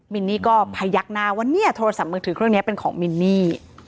มินนี่ก็พยักหน้าว่าเนี่ยโทรศัพท์มือถือเครื่องนี้เป็นของมินนี่